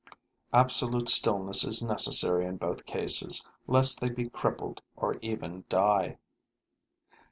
Absolute stillness is necessary in both cases, lest they be crippled or even die.